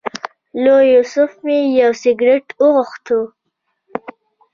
له یوسف مې یو سګرټ وغوښت.